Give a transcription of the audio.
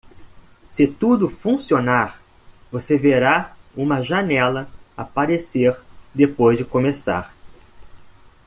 Se tudo funcionar, você verá uma janela aparecer depois de começar.